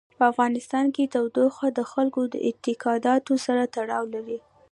په افغانستان کې تودوخه د خلکو د اعتقاداتو سره تړاو لري.